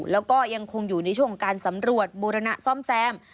แล้วก็ยังคงอยู่ในช่วงของการสำรวจบูรณะซ่อมแซม